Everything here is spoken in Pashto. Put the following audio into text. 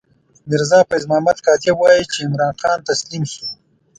میرزا فیض محمد کاتب وايي چې عمرا خان تسلیم شو.